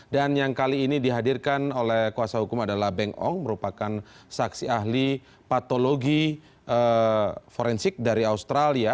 dan yang kali ini dihadirkan oleh kuasa hukum adalah beng ong merupakan saksi ahli patologi forensik dari australia